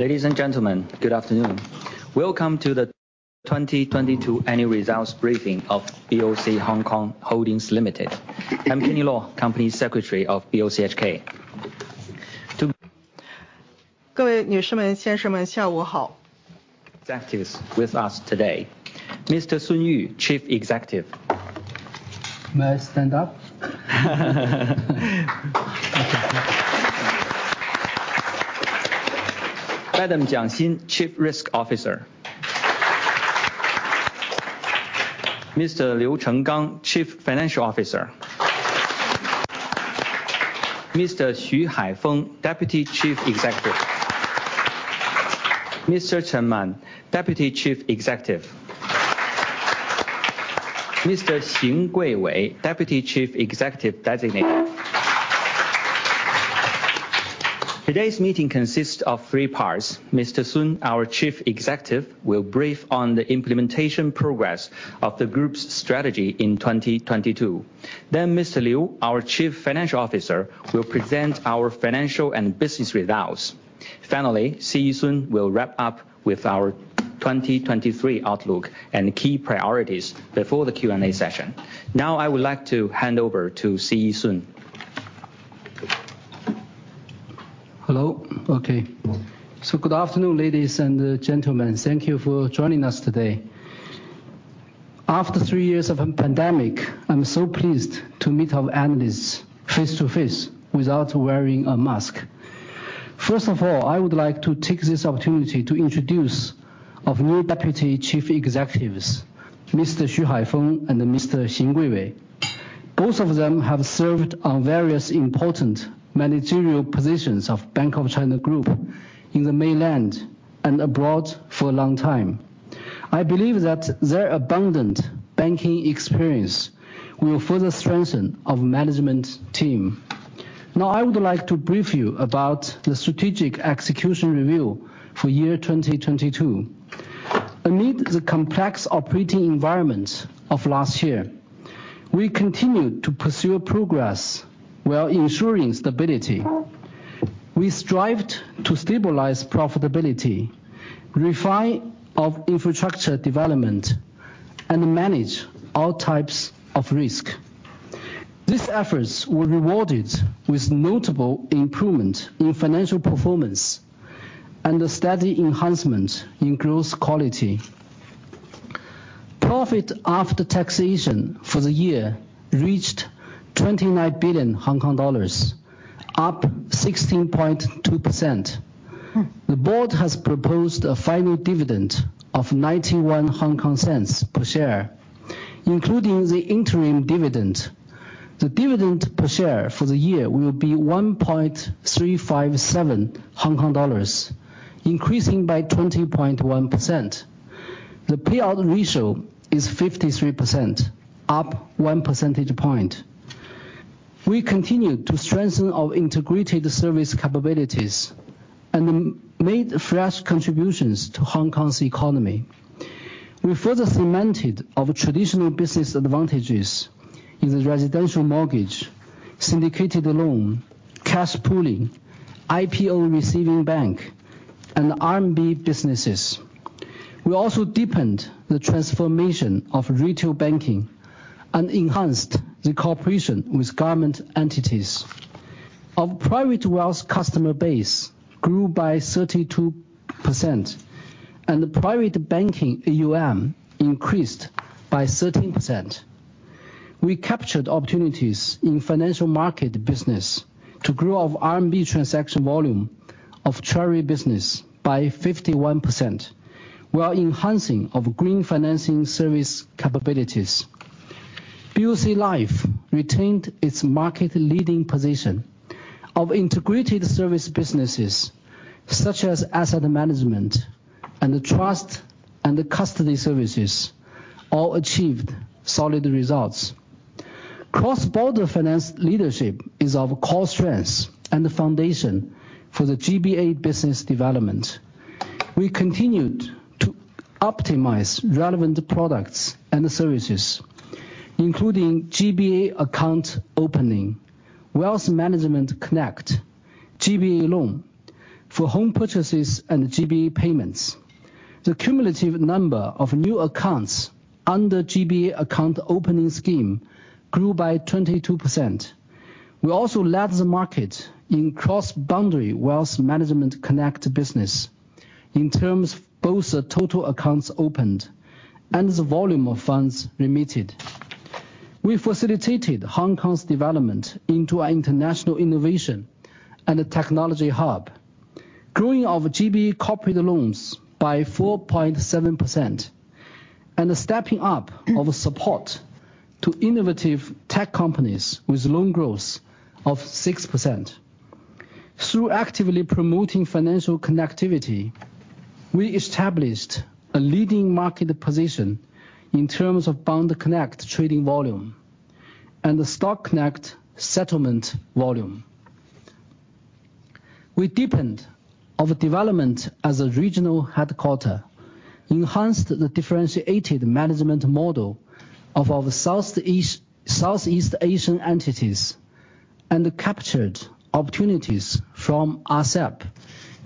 Ladies and gentlemen, good afternoon. Welcome to the 2022 annual results briefing of BOC Hong Kong (Holdings) Limited. I'm Kenny Law, Company Secretary of BOCHK. Executives with us today. Mr. Sun Yu, Chief Executive. May I stand up? Madam Jiang Xin, Chief Risk Officer. Mr. Liu Chenggang, Chief Financial Officer. Mr. Xu Haifeng, Deputy Chief Executive. Mr. Chan Man, Deputy Chief Executive. Mr. Xing Guiwei, Deputy Chief Executive Designate. Today's meeting consists of three parts. Mr. Sun, our Chief Executive, will brief on the implementation progress of the group's strategy in 2022. Mr. Liu, our Chief Financial Officer, will present our financial and business results. CE Sun will wrap up with our 2023 outlook and key priorities before the Q&A session. I would like to hand over to CE Sun. Hello. Okay. Good afternoon, ladies and gentlemen. Thank you for joining us today. After three years of a pandemic, I'm so pleased to meet our analysts face-to-face without wearing a mask. First of all, I would like to take this opportunity to introduce of new Deputy Chief Executives, Mr. Xu Haifeng and Mr. Xing Guiwei. Both of them have served on various important managerial positions of Bank of China Group in the mainland and abroad for a long time. I believe that their abundant banking experience will further strengthen our management team. I would like to brief you about the strategic execution review for year 2022. Amid the complex operating environment of last year, we continued to pursue progress while ensuring stability. We strived to stabilize profitability, refine our infrastructure development, and manage all types of risk. These efforts were rewarded with notable improvement in financial performance and a steady enhancement in growth quality. Profit after taxation for the year reached 29 billion Hong Kong dollars, up 16.2%. The board has proposed a final dividend of 0.91 per share, including the interim dividend. The dividend per share for the year will be 1.357 Hong Kong dollars, increasing by 20.1%. The payout ratio is 53%, up one percentage point. We continue to strengthen our integrated service capabilities and made fresh contributions to Hong Kong's economy. We further cemented our traditional business advantages in the residential mortgage, syndicated loan, cash pooling, IPO receiving bank, and RMB businesses. We also deepened the transformation of retail banking and enhanced the cooperation with government entities. Our private wealth customer base grew by 32%. The private banking AUM increased by 13%. We captured opportunities in financial market business to grow our RMB transaction volume of treasury business by 51%, while enhancing our green financing service capabilities. BOC Life retained its market-leading position. Our integrated service businesses, such as asset management and the trust and the custody services, all achieved solid results. Cross-border finance leadership is our core strength and the foundation for the GBA business development. We continued to optimize relevant products and services, including GBA account opening, Wealth Management Connect, GBA loan for home purchases, and GBA payments. The cumulative number of new accounts under GBA account opening scheme grew by 22%. We also led the market in cross-boundary Wealth Management Connect business in terms of both the total accounts opened and the volume of funds remitted. We facilitated Hong Kong's development into an international innovation and a technology hub, growing our GBA corporate loans by 4.7% and stepping up our support to innovative tech companies with loan growth of 6%. Through actively promoting financial connectivity, we established a leading market position in terms of Bond Connect trading volume and the Stock Connect settlement volume. We deepened our development as a regional headquarter, enhanced the differentiated management model of our Southeast Asian entities and captured opportunities from RCEP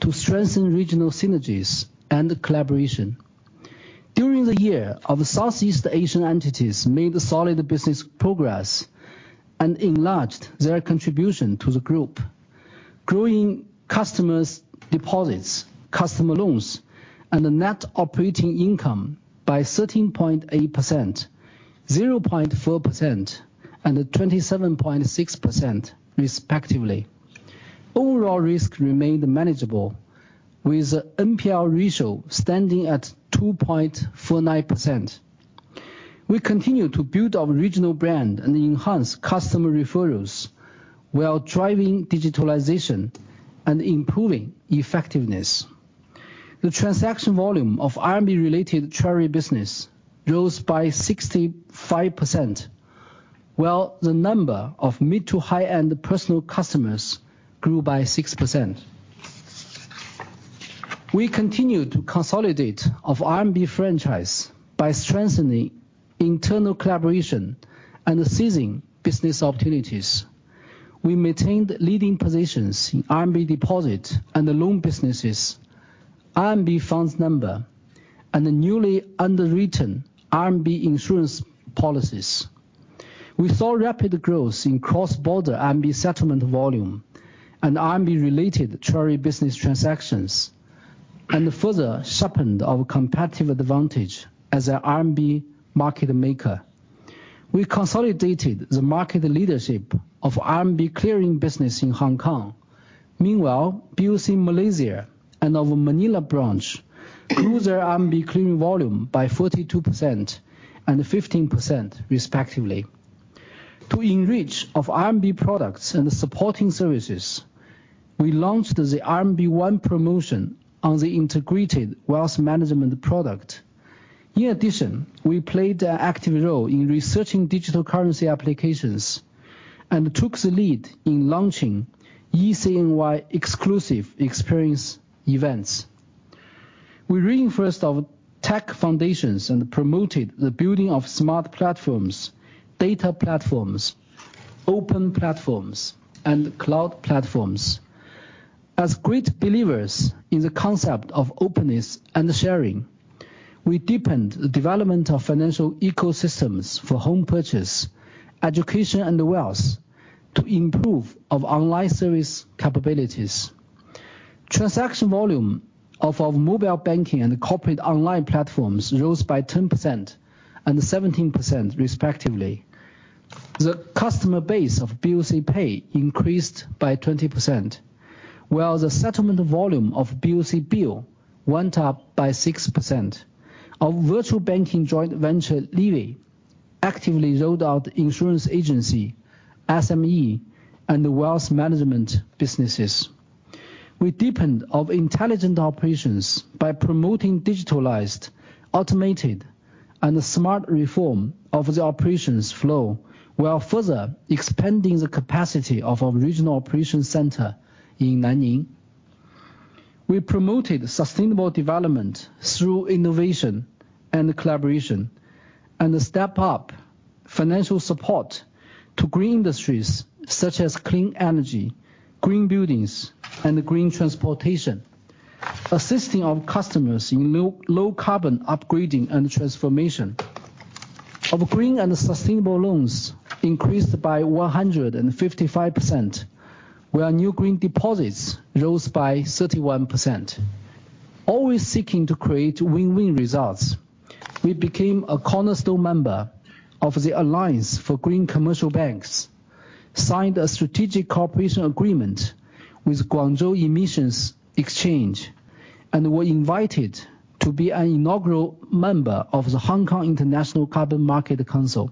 to strengthen regional synergies and collaboration. During the year, our Southeast Asian entities made solid business progress and enlarged their contribution to the group, growing customers' deposits, customer loans, and the net operating income by 13.8%, 0.4%, and 27.6% respectively. Overall risk remained manageable with MPL ratio standing at 2.49%. We continue to build our regional brand and enhance customer referrals while driving digitalization and improving effectiveness. The transaction volume of RMB-related treasury business rose by 65%, while the number of mid to high-end personal customers grew by 6%. We continue to consolidate of RMB franchise by strengthening internal collaboration and seizing business opportunities. We maintained leading positions in RMB deposit and the loan businesses, RMB funds number, and the newly underwritten RMB insurance policies. We saw rapid growth in cross-border RMB settlement volume and RMB-related treasury business transactions, and further sharpened our competitive advantage as a RMB market maker. We consolidated the market leadership of RMB clearing business in Hong Kong. Meanwhile, BOC Malaysia and our Manila branch grew their RMB clearing volume by 42% and 15% respectively. To enrich of RMB products and the supporting services, we launched the RMB One promotion on the integrated wealth management product. We played an active role in researching digital currency applications, and took the lead in launching e-CNY exclusive experience events. We reinforced our tech foundations and promoted the building of smart platforms, data platforms, open platforms, and cloud platforms. We deepened the development of financial ecosystems for home purchase, education and wealth to improve of online service capabilities. Transaction volume of our mobile banking and corporate online platforms rose by 10% and 17% respectively. The customer base of BoC Pay increased by 20%, while the settlement volume of BoC Bill went up by 6%. Our virtual banking joint venture, livi, actively rolled out insurance agency, SME, and the wealth management businesses. We deepened our intelligent operations by promoting digitalized, automated, and smart reform of the operations flow, while further expanding the capacity of our regional operations center in Nanning. We promoted sustainable development through innovation and collaboration, stepped up financial support to green industries such as clean energy, green buildings, and green transportation, assisting our customers in low carbon upgrading and transformation. Our green and sustainable loans increased by 155%, while new green deposits rose by 31%. Always seeking to create win-win results, we became a cornerstone member of the Alliance for Green Commercial Banks, signed a strategic cooperation agreement with Guangzhou Emissions Exchange, and were invited to be an inaugural member of the Hong Kong International Carbon Market Council.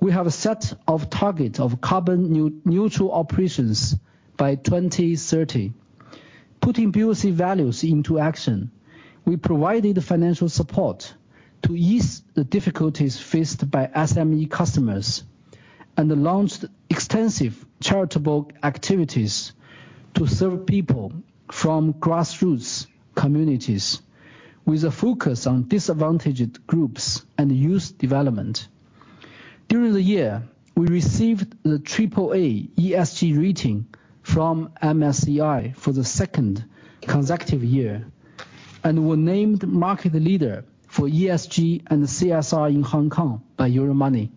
We have a set of target of carbon neutral operations by 2030. Putting BOC values into action, we provided financial support to ease the difficulties faced by SME customers, launched extensive charitable activities to serve people from grassroots communities with a focus on disadvantaged groups and youth development. During the year, we received the AAA ESG rating from MSCI for the second consecutive year and were named market leader for ESG and CSR in Hong Kong by Euromoney.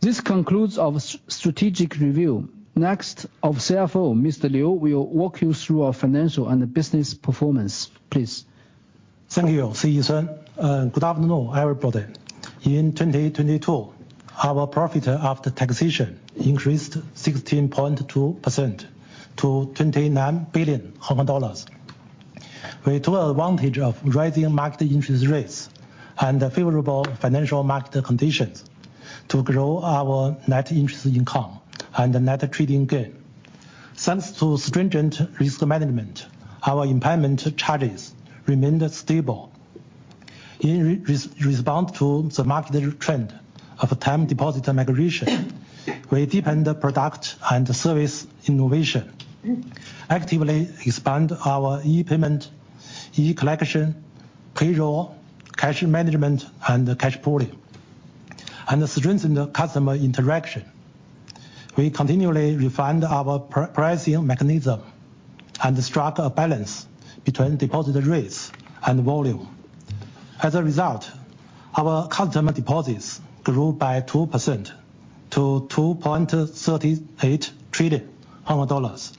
This concludes our strategic review. Next, our CFO, Mr. Liu, will walk you through our financial and business performance. Please. Thank you, Shi Yu Sun. Good afternoon, everybody. In 2022, our profit after taxation increased 16.2% to 29 billion dollars. We took advantage of rising market interest rates and the favorable financial market conditions to grow our net interest income and the net trading gain. Thanks to stringent risk management, our impairment charges remained stable. In response to the market trend of time deposit migration, we deepened the product and service innovation, actively expand our e-payment, e-collection, payroll, cash management, and cash pooling, and strengthen the customer interaction. We continually refined our pricing mechanism and struck a balance between deposit rates and volume. As a result, our customer deposits grew by 2% to 2.38 trillion Hong Kong dollars,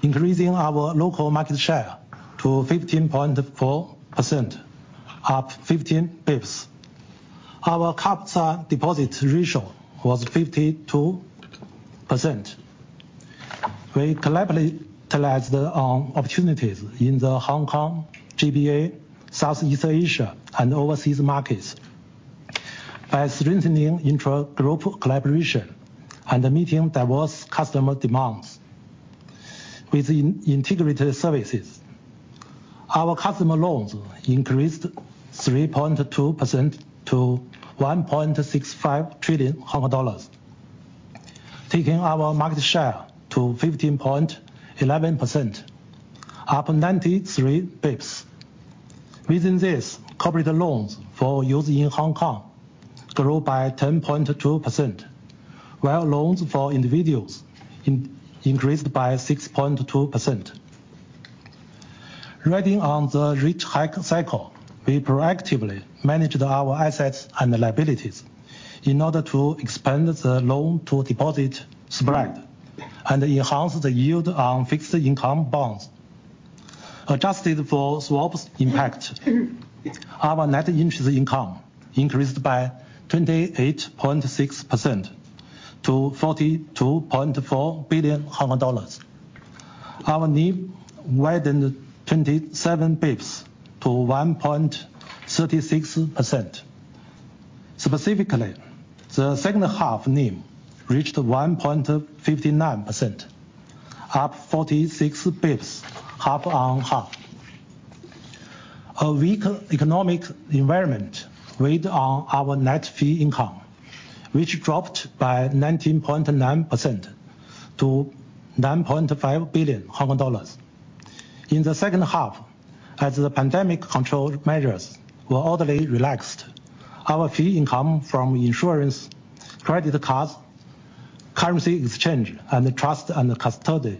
increasing our local market share to 15.4%, up 15 basis points. Our caps deposit ratio was 52%. We capitalized the opportunities in the Hong Kong GBA, Southeast Asia, and overseas markets by strengthening intra-group collaboration and meeting diverse customer demands with integrated services. Our customer loans increased 3.2% to 1.65 trillion Hong Kong dollars, taking our market share to 15.11%, up 93 basis points. Within this, corporate loans for use in Hong Kong grew by 10.2%, while loans for individuals increased by 6.2%. Riding on the rate hike cycle, we proactively managed our assets and liabilities in order to expand the loan-to-deposit spread and enhance the yield on fixed income bonds. Adjusted for swaps impact, our net interest income increased by 28.6% to HKD 42.4 billion. Our NIM widened 27 basis points to 1.36%. Specifically, the second half NIM reached 1.59%, up 46 basis points half on half. A weak economic environment weighed on our net fee income, which dropped by 19.9% to 9.5 billion Hong Kong dollars. In the second half, as the pandemic control measures were orderly relaxed, our fee income from insurance, credit cards, currency exchange, and trust and custody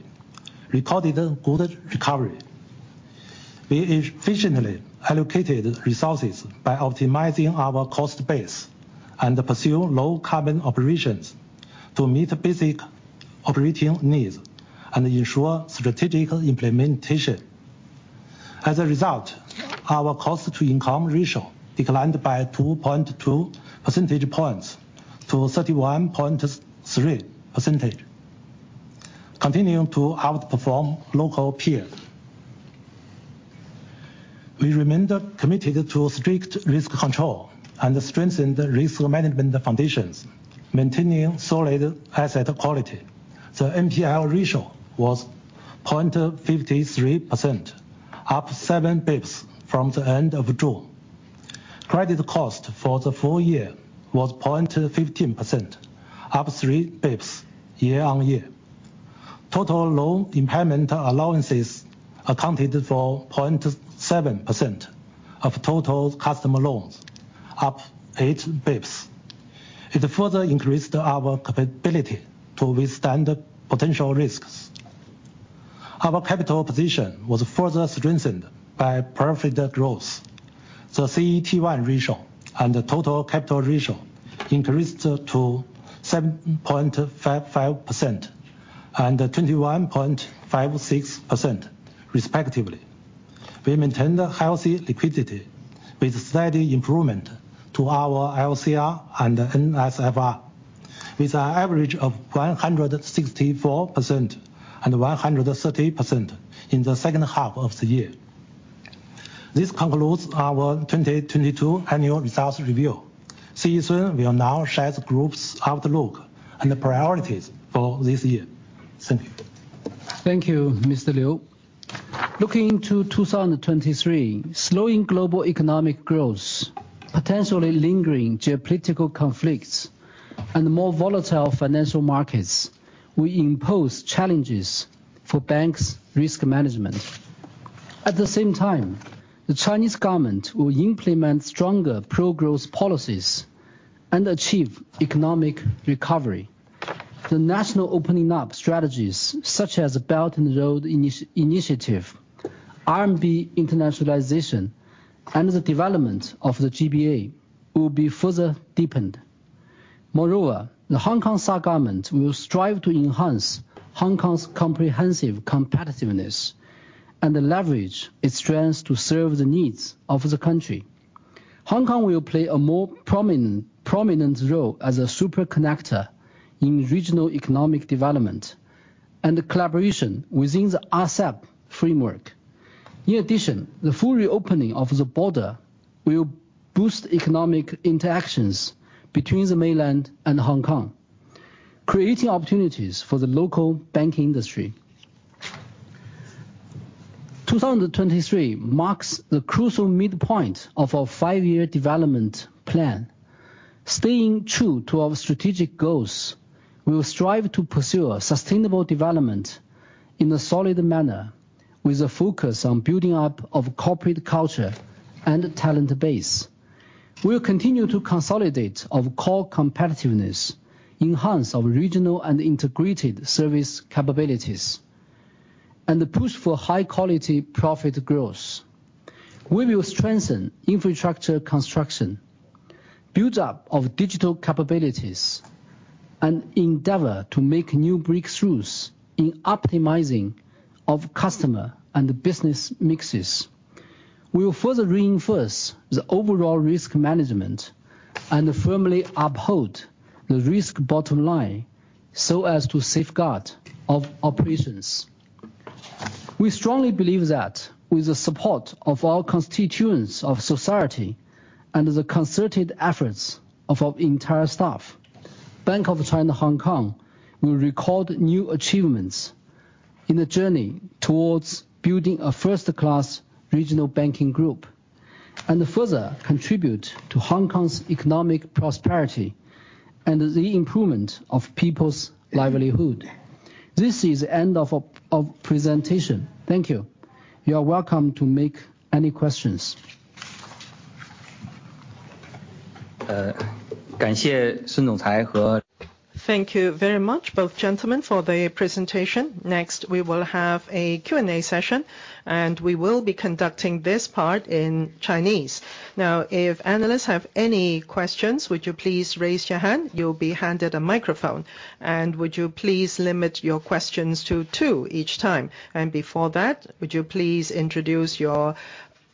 recorded a good recovery. We efficiently allocated resources by optimizing our cost base and pursue low common operations to meet basic operating needs and ensure strategic implementation. As a result, our cost-to-income ratio declined by 2.2 percentage points to 31.3%, continuing to outperform local peer. We remained committed to strict risk control and strengthened risk management foundations, maintaining solid asset quality. The NPL ratio was 0.53%, up 7 basis points from the end of June. Credit cost for the full year was 0.15%, up 3 bips year-on-year. Total loan impairment allowances accounted for 0.7% of total customer loans, up 8 bips. It further increased our capability to withstand potential risks. Our capital position was further strengthened by profit growth. The CET1 ratio and the total capital ratio increased to 7.55% and 21.56% respectively. We maintained a healthy liquidity with steady improvement to our LCR and NSFR, with an average of 164% and 130% in the second half of the year. This concludes our 2022 annual results review. Ceason will now share the group's outlook and the priorities for this year. Thank you. Thank you, Mr. Liu. Looking into 2023, slowing global economic growth, potentially lingering geopolitical conflicts, and more volatile financial markets will impose challenges for banks' risk management. At the same time, the Chinese government will implement stronger pro-growth policies and achieve economic recovery. The national opening up strategies, such as Belt and Road Initiative, RMB internationalization, and the development of the GBA will be further deepened. Moreover, the Hong Kong SAR government will strive to enhance Hong Kong's comprehensive competitiveness and leverage its strengths to serve the needs of the country. Hong Kong will play a more prominent role as a super connector in regional economic development and collaboration within the RCEP framework. In addition, the full reopening of the border will boost economic interactions between the Mainland and Hong Kong, creating opportunities for the local banking industry. 2023 marks the crucial midpoint of our five-year development plan. Staying true to our strategic goals, we will strive to pursue sustainable development in a solid manner with a focus on building up of corporate culture and talent base. We will continue to consolidate of core competitiveness, enhance our regional and integrated service capabilities, and the push for high quality profit growth. We will strengthen infrastructure construction, buildup of digital capabilities, and endeavor to make new breakthroughs in optimizing of customer and business mixes. We will further reinforce the overall risk management and firmly uphold the risk bottom line so as to safeguard of operations. We strongly believe that with the support of all constituents of society and the concerted efforts of our entire staff, Bank of China Hong Kong will record new achievements in the journey towards building a first-class regional banking group and further contribute to Hong Kong's economic prosperity and the improvement of people's livelihood. This is end of presentation. Thank you. You are welcome to make any questions. Thank you very much both gentlemen for the presentation. Next, we will have a Q&A session, and we will be conducting this part in Chinese. If analysts have any questions, would you please raise your hand? You'll be handed a microphone. Would you please limit your questions to 2 each time? Before that, would you please introduce your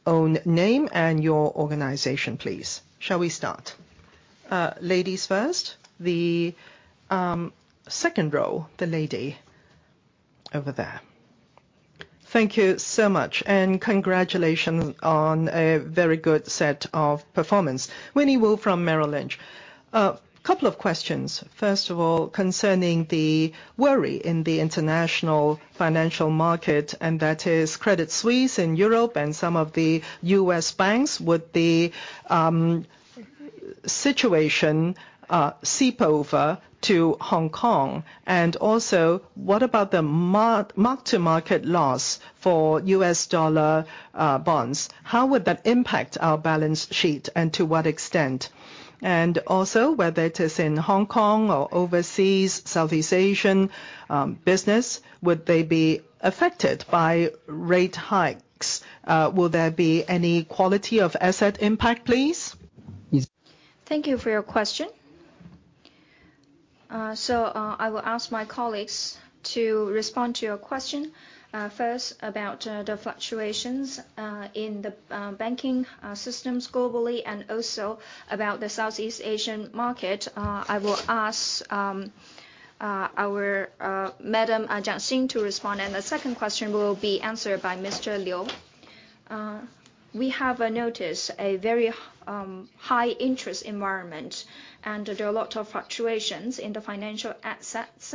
own name and your organization, please? Shall we start? Ladies first. The 2nd row, the lady over there. Thank you so much, and congratulations on a very good set of performance. Winnie Wu from Merrill Lynch. A couple of questions. First of all, concerning the worry in the international financial market, and that is Credit Suisse in Europe and some of the U.S. banks. Would the situation seep over to Hong Kong? Also, what about the market-to-market loss for U.S. dollar bonds? How would that impact our balance sheet, and to what extent? Whether it is in Hong Kong or overseas Southeast Asian business, would they be affected by rate hikes? Will there be any quality of asset impact, please? Thank you for your question. I will ask my colleagues to respond to your question. First about the fluctuations in the banking systems globally and also about the Southeast Asian market. I will ask our Madam Jiang Xin to respond. The second question will be answered by Mr. Liu Chenggang. We have noticed a very high interest environment, and there are a lot of fluctuations in the financial assets,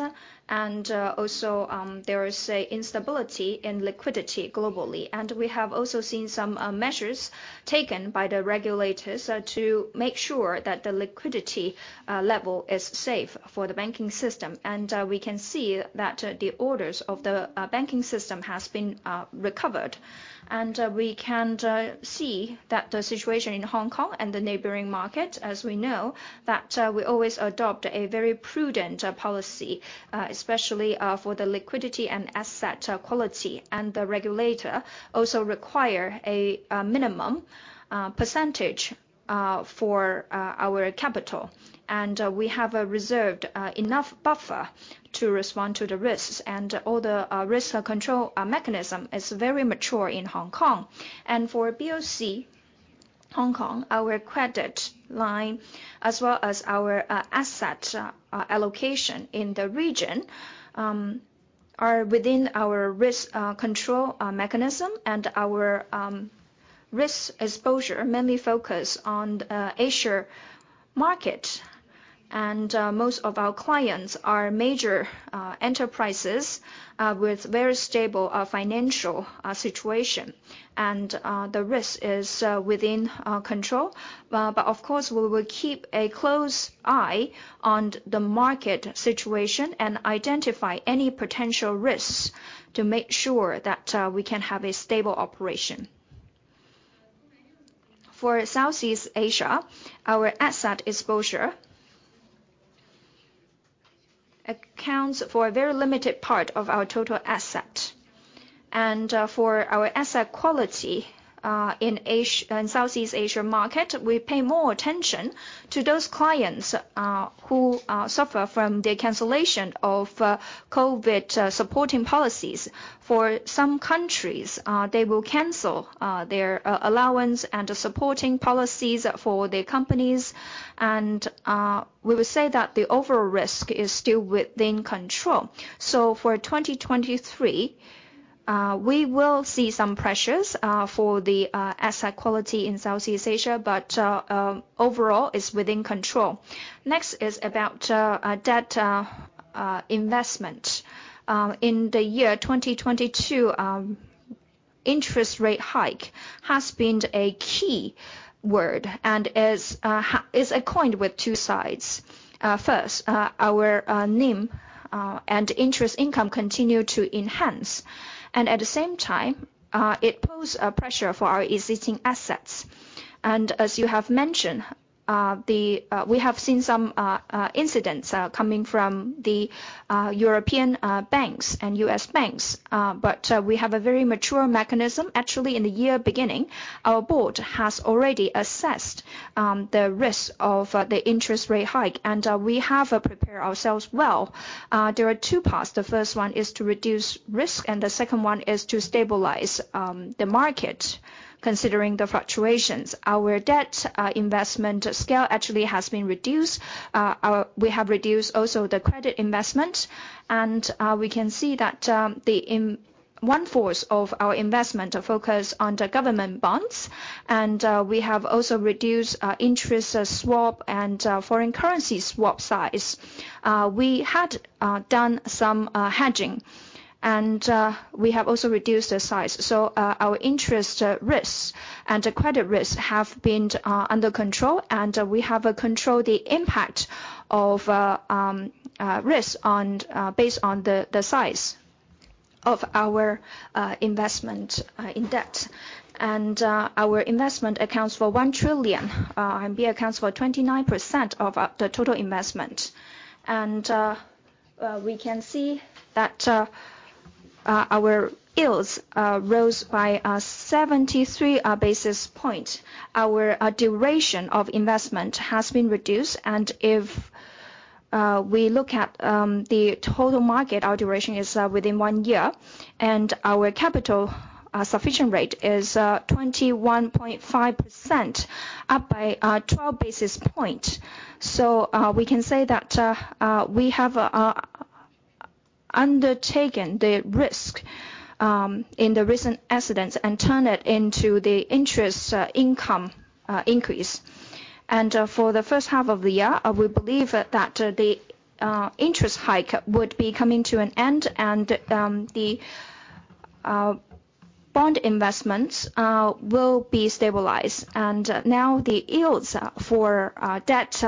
and also there is an instability in liquidity globally. We have also seen some measures taken by the regulators to make sure that the liquidity level is safe for the banking system. We can see that the orders of the banking system has been recovered. We can see that the situation in Hong Kong and the neighboring market, as we know, that we always adopt a very prudent policy, especially for the liquidity and asset quality. The regulator also require a minimum percentage for our capital. We have reserved enough buffer to respond to the risks and all the risk control mechanism is very mature in Hong Kong. For BOC Hong Kong, our credit line as well as our asset allocation in the region are within our risk control mechanism. Our risk exposure mainly focus on Asia market. Most of our clients are major enterprises with very stable financial situation. The risk is within control. Of course, we will keep a close eye on the market situation and identify any potential risks to make sure that we can have a stable operation. For Southeast Asia, our asset exposure accounts for a very limited part of our total asset. For our asset quality, in Southeast Asia market, we pay more attention to those clients who suffer from the cancellation of COVID supporting policies. For some countries, they will cancel their allowance and supporting policies for the companies. We will say that the overall risk is still within control. For 2023, we will see some pressures for the asset quality in Southeast Asia, but overall, it's within control. Next is about data investment. In the year 2022, Interest rate hike has been a key word and is coined with two sides. First, our NIM and interest income continue to enhance, at the same time, it pose a pressure for our existing assets. As you have mentioned, we have seen some incidents coming from the European banks and U.S. banks, but we have a very mature mechanism. Actually, in the year beginning, our board has already assessed the risk of the interest rate hike, and we have prepare ourselves well. There are two parts. The first one is to reduce risk, and the second one is to stabilize the market considering the fluctuations. Our debt investment scale actually has been reduced. We have reduced also the credit investment and we can see that one-fourth of our investment are focused on the government bonds, and we have also reduced interest swap and foreign currency swap size. We had done some hedging. We have also reduced the size. Our interest risks and the credit risks have been under control, and we have control the impact of risk based on the size of our investment in debt. Our investment accounts for 1 trillion, accounts for 29% of the total investment. We can see that our yields rose by 73 basis points. Our duration of investment has been reduced. If we look at the total market, our duration is within one year, and our capital sufficient rate is 21.5%, up by 12 basis point. We can say that we have undertaken the risk in the recent incidents and turn it into the interest income increase. For the first half of the year, we believe that the interest hike would be coming to an end, and the bond investments will be stabilized. Now the yields for debt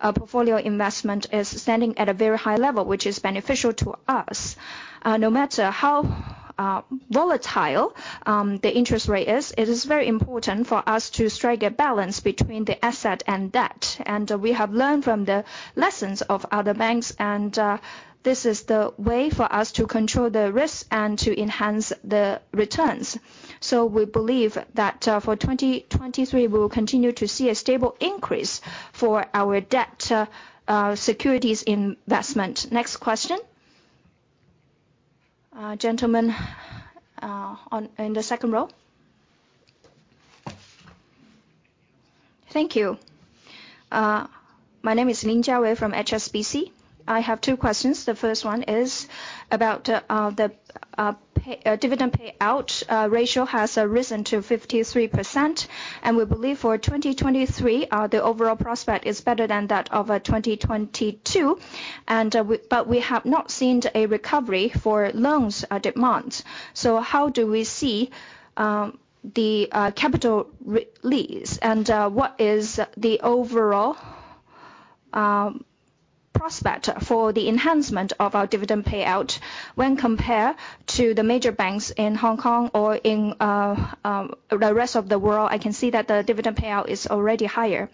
portfolio investment is standing at a very high level, which is beneficial to us. No matter how volatile the interest rate is, it is very important for us to strike a balance between the asset and debt. We have learned from the lessons of other banks and, this is the way for us to control the risk and to enhance the returns. We believe that for 2023 we will continue to see a stable increase for our debt securities investment. Next question. Gentleman, in the second row. Thank you. My name is Li Jiawei from HSBC. I have two questions. The first one is about the dividend payout ratio has risen to 53%, and we believe for 2023 the overall prospect is better than that of 2022. We have not seen a recovery for loans, demands. How do we see the capital re-release, and what is the overall prospect for the enhancement of our dividend payout when compared to the major banks in Hong Kong or in the rest of the world? I can see that the dividend payout is already higher.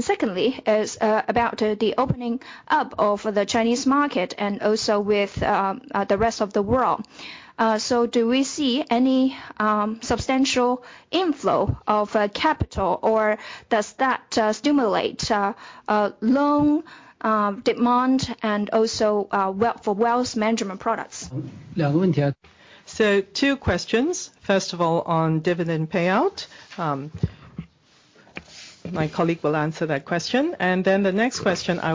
Secondly is about the opening up of the Chinese market, and also with the rest of the world. Do we see any substantial inflow of capital, or does that stimulate a loan demand and also for wealth management products? Two questions. First of all, on dividend payout, my colleague will answer that question. The next question, I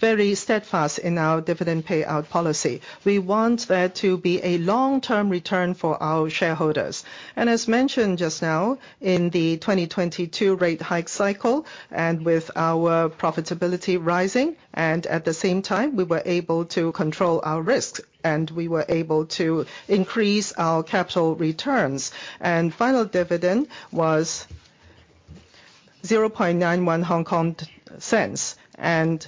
will help answer that. The next question, I will help answer that question. Yes, concerning dividend payout, we have always been very steadfast in our dividend payout policy. We want there to be a long-term return for our shareholders. As mentioned just now, in the 2022 rate hike cycle, and with our profitability rising, and at the same time we were able to control our risks, and we were able to increase our capital returns. Final dividend was HKD 0.91, and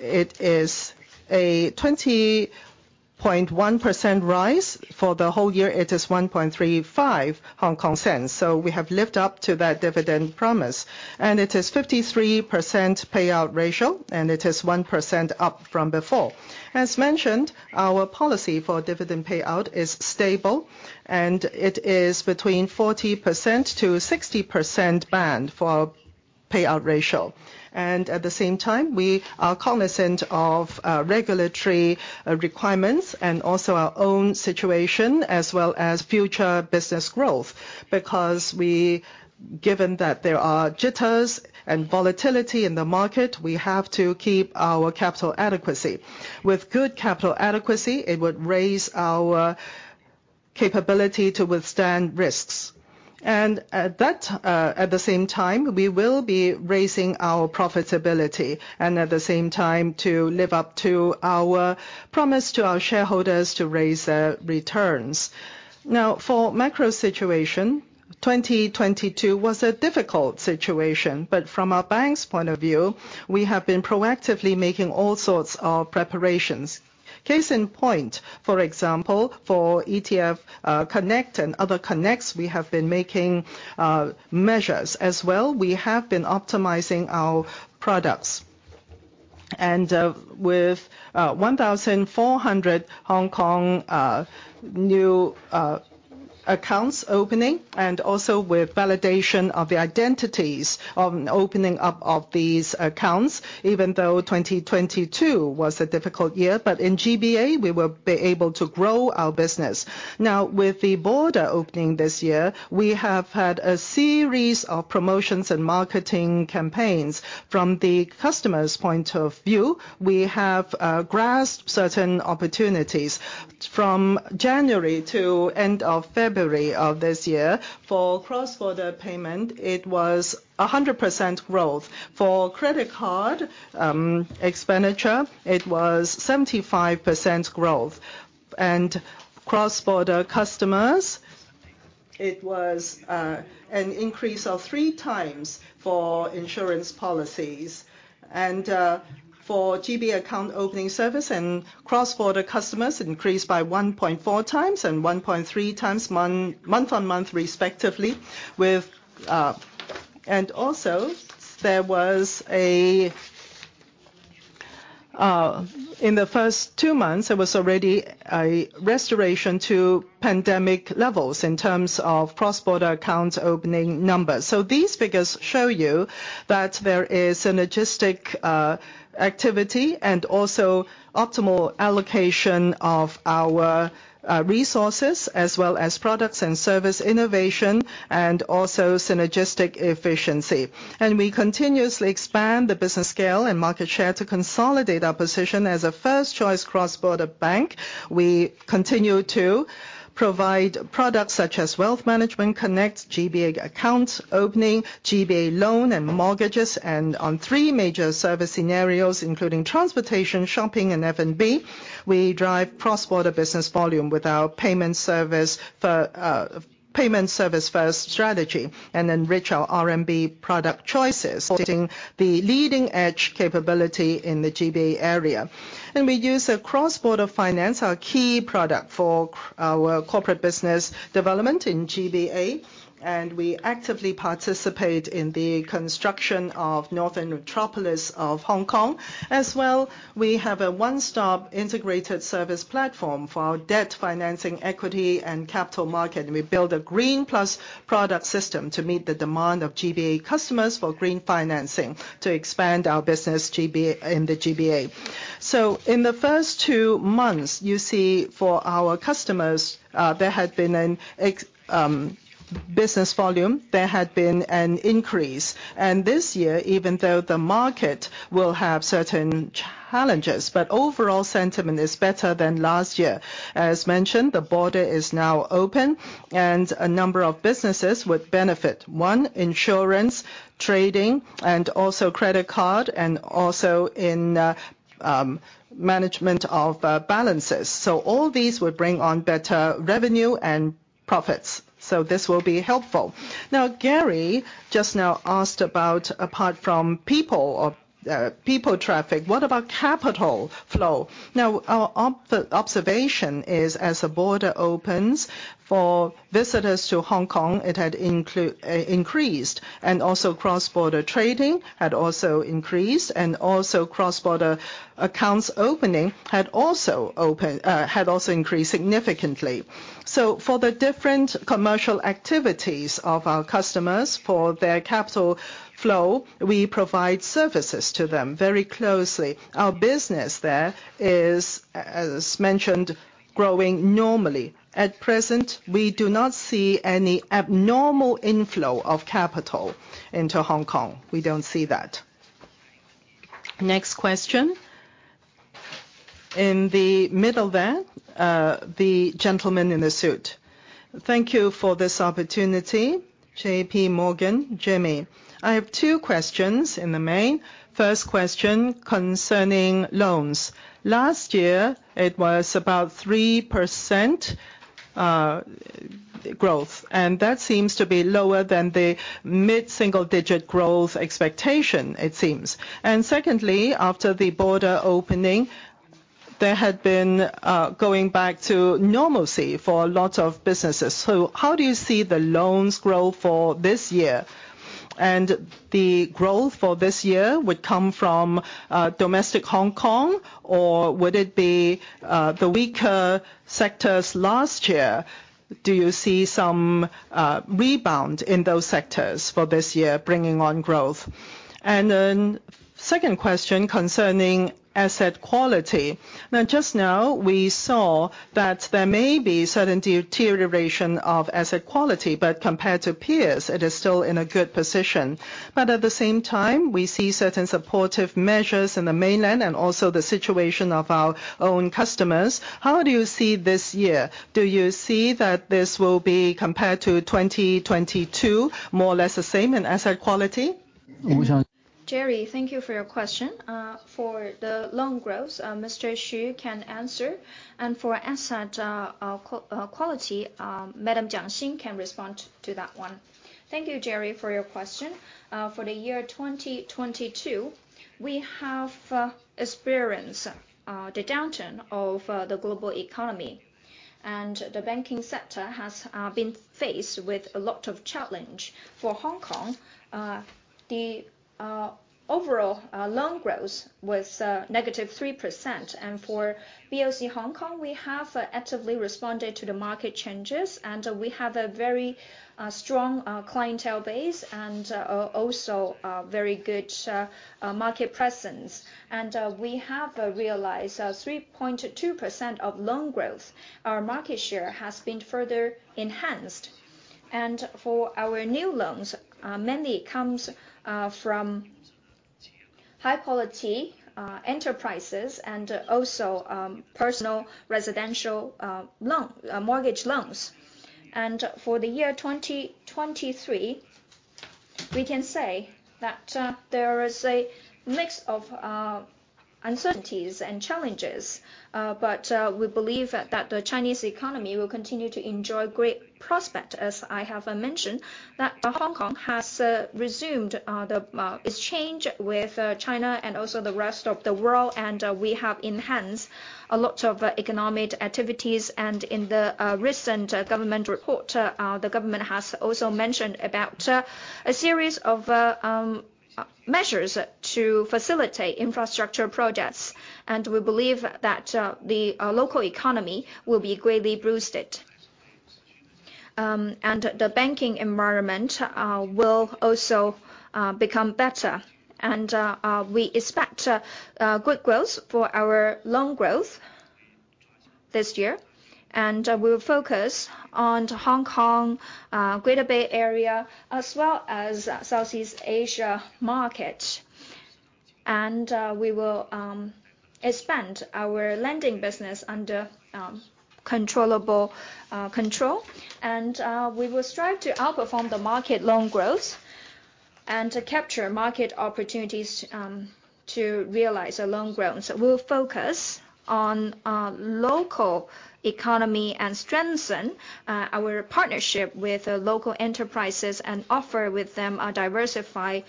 it is a 20.1% rise. For the whole year, it is 1.35. We have lived up to that dividend promise. It is 53% payout ratio, and it is 1% up from before. As mentioned, our policy for dividend payout is stable. It is between 40%-60% band for payout ratio. At the same time, we are cognizant of regulatory requirements and also our own situation, as well as future business growth, because given that there are jitters and volatility in the market, we have to keep our capital adequacy. With good capital adequacy, it would raise our Capability to withstand risks. At the same time, we will be raising our profitability, and at the same time to live up to our promise to our shareholders to raise returns. For macro situation, 2022 was a difficult situation, but from a bank's point of view, we have been proactively making all sorts of preparations. Case in point, for example, for ETF Connect and other connects, we have been making measures. We have been optimizing our products. With 1,400 Hong Kong new accounts opening, and also with validation of the identities of opening up of these accounts, even though 2022 was a difficult year, but in GBA we will be able to grow our business. Now, with the border opening this year, we have had a series of promotions and marketing campaigns. From the customer's point of view, we have grasped certain opportunities. From January to end of February of this year, for cross-border payment, it was 100% growth. For credit card expenditure, it was 75% growth. Cross-border customers, it was an increase of 3x for insurance policies. For GBA account opening service and cross-border customers increased by 1.4x and 1.3x month-on-month respectively with. Also there was a in the first two months there was already a restoration to pandemic levels in terms of cross-border accounts opening numbers. These figures show you that there is synergistic activity and also optimal allocation of our resources as well as products and service innovation and also synergistic efficiency. We continuously expand the business scale and market share to consolidate our position as a first choice cross-border bank. We continue to provide products such as Wealth Management Connect, GBA accounts opening, GBA loan and mortgages. On three major service scenarios including transportation, shopping, and F&B, we drive cross-border business volume with our payment service for payment service first strategy and enrich our RMB product choices, the leading-edge capability in the GBA area. We use a cross-border finance, our key product for our corporate business development in GBA, and we actively participate in the construction of northern metropolis of Hong Kong. As well, we have a one-stop integrated service platform for our debt financing equity and capital market. We build a green plus product system to meet the demand of GBA customers for green financing to expand our business in the GBA. In the first two months, you see for our customers, business volume, there had been an increase. This year, even though the market will have certain challenges, but overall sentiment is better than last year. As mentioned, the border is now open, and a number of businesses would benefit. One, insurance, trading, and also credit card, and also in management of balances. All these would bring on better revenue and profits, so this will be helpful. Now, Gary just now asked about apart from people or people traffic, what about capital flow? Now, our observation is as the border opens, for visitors to Hong Kong, it had increased, and also cross-border trading had also increased, and also cross-border accounts opening had also increased significantly. For the different commercial activities of our customers, for their capital flow, we provide services to them very closely. Our business there is, as mentioned, growing normally. At present, we do not see any abnormal inflow of capital into Hong Kong. We don't see that. Next question. In the middle there, the gentleman in the suit. Thank you for this opportunity. J.P. Morgan, Jerry. I have two questions in the main. First question concerning loans. Last year it was about 3% growth, and that seems to be lower than the mid-single digit growth expectation, it seems. Secondly, after the border opening, there had been going back to normalcy for a lot of businesses. How do you see the loans grow for this year? The growth for this year would come from domestic Hong Kong, or would it be the weaker sectors last year? Do you see some rebound in those sectors for this year bringing on growth? Second question concerning asset quality. Just now we saw that there may be certain deterioration of asset quality, but compared to peers, it is still in a good position. At the same time, we see certain supportive measures in the mainland and also the situation of our own customers. How do you see this year? Do you see that this will be compared to 2022 more or less the same in asset quality? Jerry, thank you for your question. For the loan growth, Mr. Xu can answer. For asset quality, Madam Jiang Xin can respond to that one. Thank you, Jerry, for your question. For the year 2022, we have experienced the downturn of the global economy. The banking sector has been faced with a lot of challenge. For Hong Kong, the overall loan growth was -3%. For BOC Hong Kong, we have actively responded to the market changes, and we have a very strong clientele base and also very good market presence. We have realized 3.2% of loan growth. Our market share has been further enhanced. For our new loans, many comes from high quality enterprises and also personal residential loan mortgage loans. For the year 2023, we can say that there is a mix of uncertainties and challenges. We believe that the Chinese economy will continue to enjoy great prospect, as I have mentioned, that Hong Kong has resumed the exchange with China and also the rest of the world. We have enhanced a lot of economic activities. In the recent government report, the government has also mentioned about a series of measures to facilitate infrastructure projects. We believe that the local economy will be greatly boosted. The banking environment will also become better. We expect good growth for our loan growth this year. We'll focus on Hong Kong, Greater Bay Area, as well as Southeast Asia market. We will expand our lending business under controllable control. We will strive to outperform the market loan growth and to capture market opportunities to realize the loan growth. We'll focus on local economy and strengthen our partnership with the local enterprises and offer with them a diversified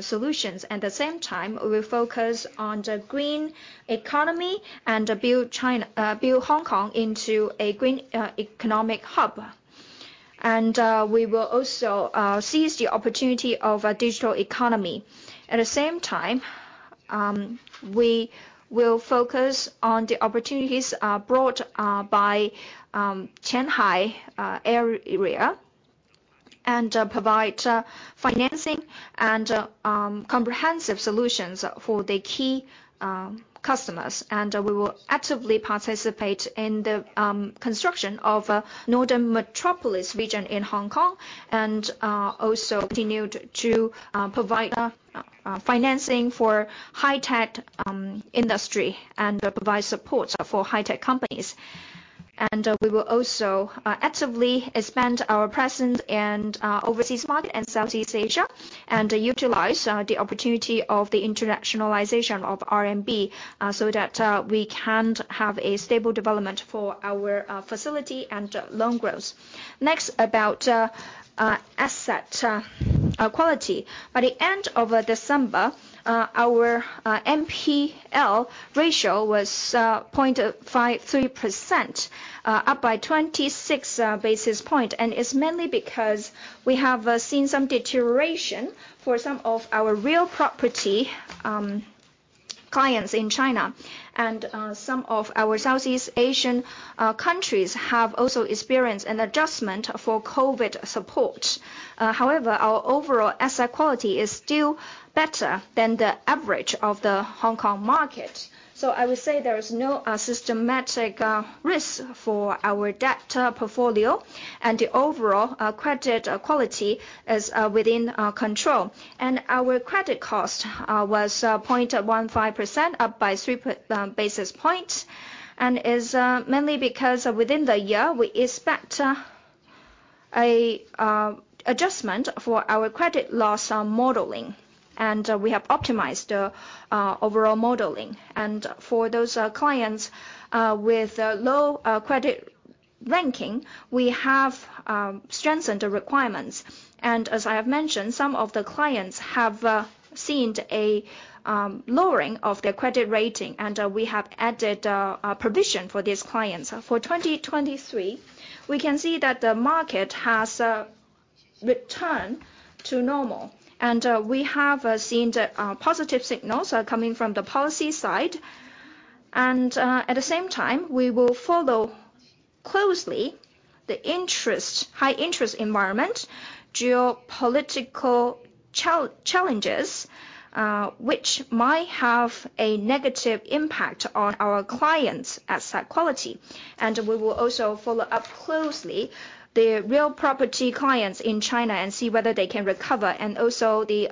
solutions. At the same time, we will focus on the green economy and build Hong Kong into a green economic hub. We will also seize the opportunity of a digital economy. At the same time, we will focus on the opportunities brought by Qianhai area and provide financing and comprehensive solutions for the key customers. We will actively participate in the construction of a northern metropolis region in Hong Kong, also continue to provide financing for high-tech industry and provide support for high-tech companies. We will also actively expand our presence in overseas market and Southeast Asia and utilize the opportunity of the internationalization of RMB, so that we can have a stable development for our facility and loan growth. Next, about asset quality. By the end of December, our NPL ratio was 0.53%, up by 26 basis points. It's mainly because we have seen some deterioration for some of our real property clients in China. Some of our Southeast Asian countries have also experienced an adjustment for COVID support. However, our overall asset quality is still better than the average of the Hong Kong market. I would say there is no systematic risk for our debt portfolio and the overall credit quality is within our control. Our credit cost was 0.15% up by 3 basis point and is mainly because within the year we expect a adjustment for our credit loss modeling. We have optimized the overall modeling. For those clients with low credit ranking, we have strengthened the requirements. As I have mentioned, some of the clients have seen a lowering of their credit rating, and we have added a provision for these clients. For 2023, we can see that the market has returned to normal. We have seen the positive signals are coming from the policy side. At the same time, we will follow closely the interest, high interest environment, geopolitical challenges, which might have a negative impact on our clients as quality. We will also follow up closely the real property clients in China and see whether they can recover, and also the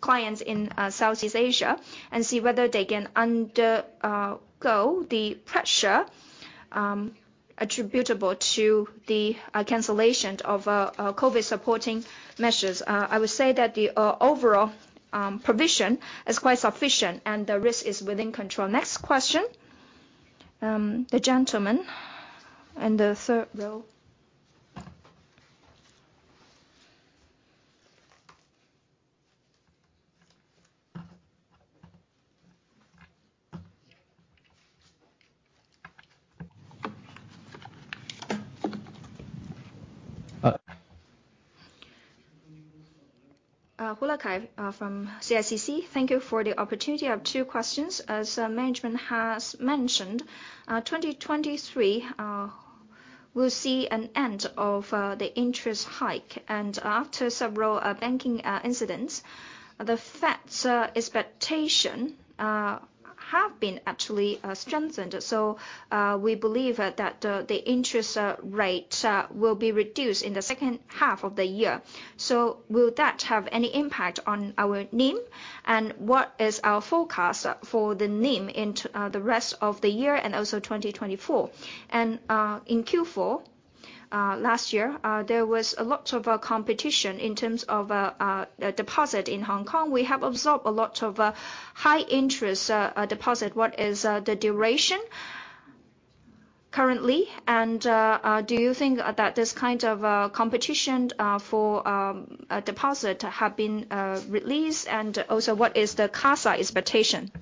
clients in Southeast Asia and see whether they can go the pressure attributable to the cancellation of COVID supporting measures. I would say that the overall provision is quite sufficient, and the risk is within control. Next question. The gentleman in the third row. Uh Hu Lukai from CICC. Thank you for the opportunity. I have two questions. As management has mentioned, 2023 will see an end of the interest hike. After several banking incidents, the Fed's expectation have been actually strengthened. We believe that the interest rate will be reduced in the second half of the year. Will that have any impact on our NIM? What is our forecast for the NIM the rest of the year and also 2024? In Q4 last year, there was a lot of competition in terms of deposit in Hong Kong. We have absorbed a lot of high interest deposit. What is the duration currently? Do you think that this kind of competition for deposit have been released? Also, what is the CASA expectation?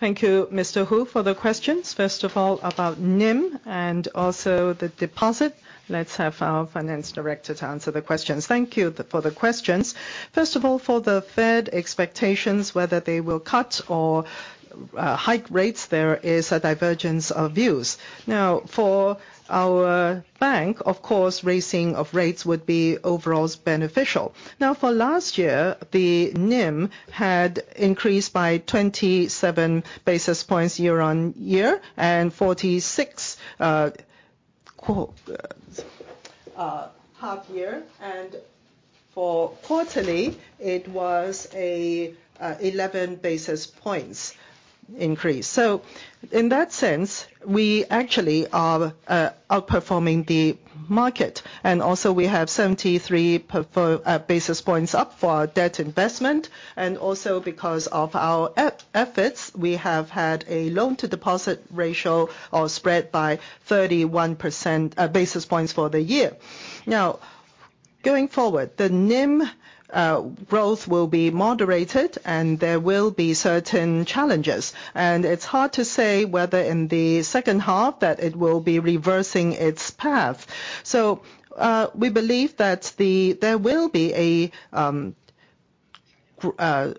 Thank you, Mr. Hu, for the questions. First of all, about NIM and also the deposit. Let's have our finance director to answer the questions. Thank you for the questions. First of all, for the Fed expectations, whether they will cut or hike rates, there is a divergence of views. For our bank, of course, raising of rates would be overall beneficial. For last Thank you for the sharing.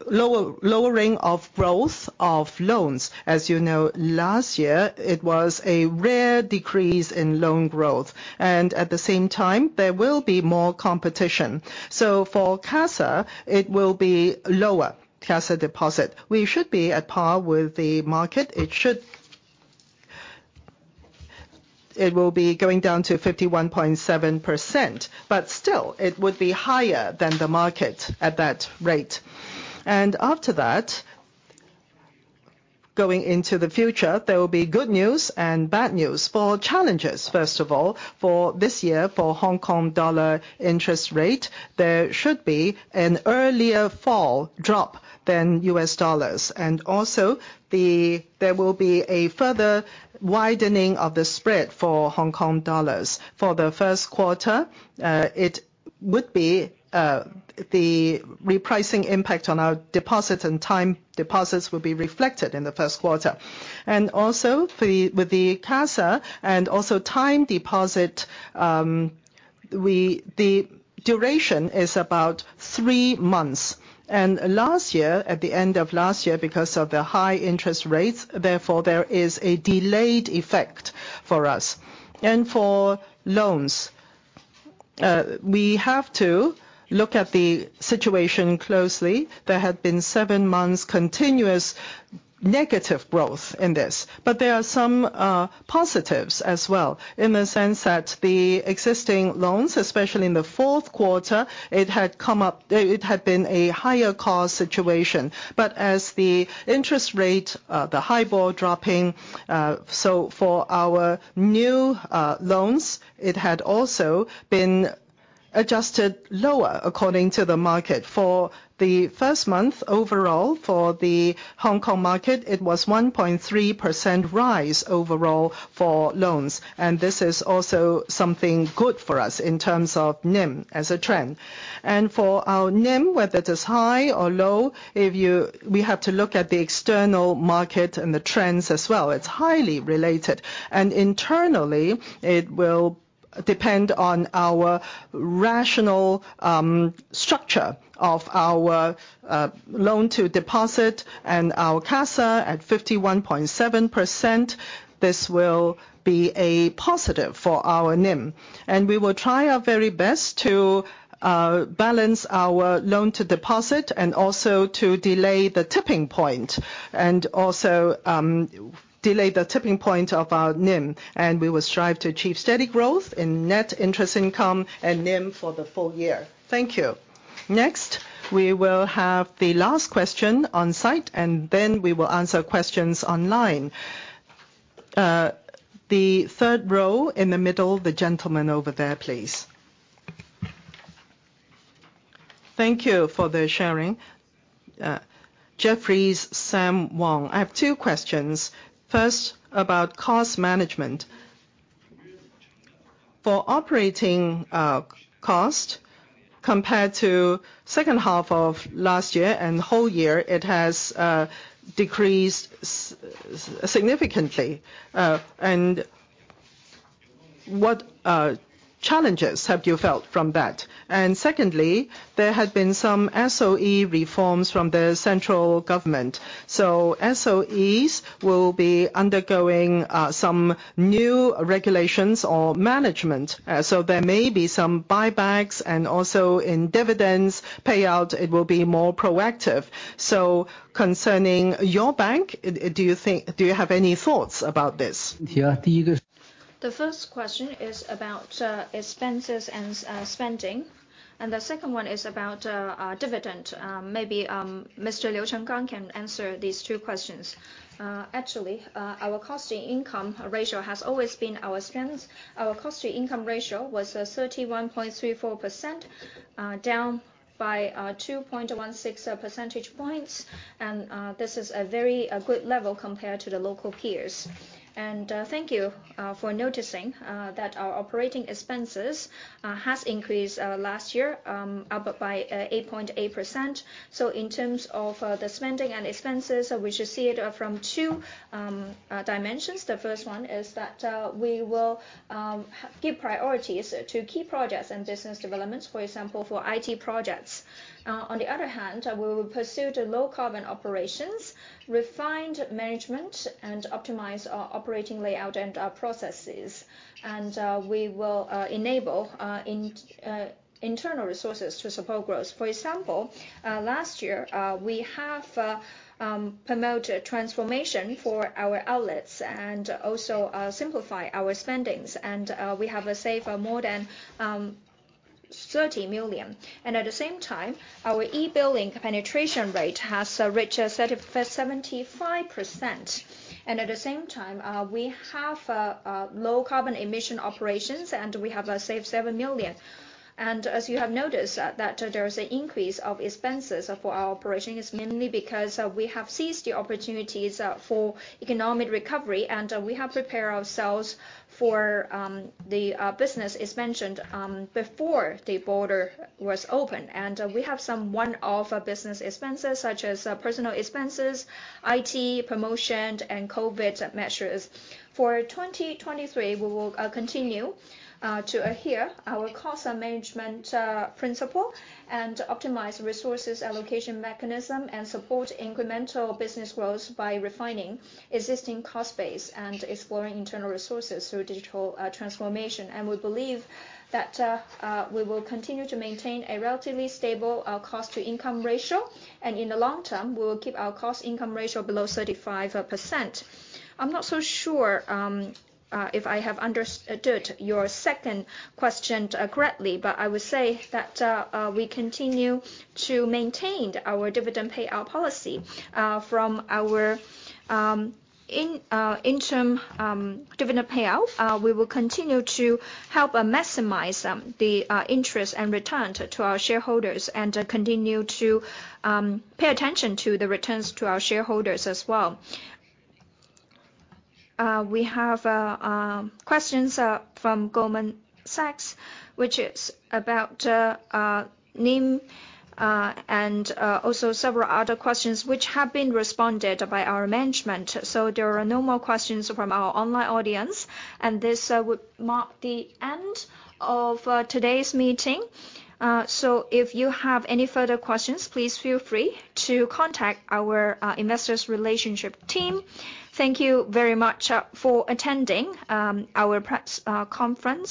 Jefferies, Sam Wong. I have two questions. First, about cost management. For operating, cost compared to second half of last year and whole year, it has decreased significantly. What challenges have you felt from that? Secondly, there have been some SOE reforms from the central government. SOEs will be undergoing some new regulations or management, so there may be some buybacks. In dividends payout, it will be more proactive. Concerning your bank, do you have any thoughts about this? The first question is about expenses and spending. The second one is about dividend. Maybe Mr. Liu Chenggang can answer these two questions. Actually, our cost and income ratio has always been our strength. Our cost to income ratio was 31.34%, down by 2.16 percentage points. This is a very good level compared to the local peers. Thank you for noticing that our operating expenses has increased last year, up by 8.8%. In terms of the spending and expenses, we should see it from two dimensions. The first one is that we will give priorities to key projects and business developments, for example, for IT projects. On the other hand, we will pursue the low carbon operations, refined management, and optimize our operating layout and processes. We will enable internal resources to support growth. For example, last year, we have promoted transformation for our outlets and also simplify our spendings. We have saved more than 30 million. At the same time, our e-billing penetration rate has reached 75%. At the same time, we have low carbon emission operations, and we have saved 7 million. As you have noticed, that there is an increase of expenses for our operations is mainly because we have seized the opportunities for economic recovery. We have prepared ourselves for the business, as mentioned, before the border was opened. We have some one-off business expenses, such as personal expenses, IT, promotion, and COVID measures. For 2023, we will continue to adhere our cost and management principle and optimize resources allocation mechanism and support incremental business growth by refining existing cost base and exploring internal resources through digital transformation. We believe that we will continue to maintain a relatively stable cost-to-income ratio. In the long term, we will keep our cost-to-income ratio below 35%. I'm not so sure if I have understood your second question correctly, but I would say that we continue to maintain our dividend payout policy. From our interim dividend payout, we will continue to help maximize the interest and return to our shareholders and to continue to pay attention to the returns to our shareholders as well. We have questions from Goldman Sachs, which is about NIM, and also several other questions which have been responded by our management. There are no more questions from our online audience. This would mark the end of today's meeting. If you have any further questions, please feel free to contact our investors' relationship team. Thank you very much for attending our press conference.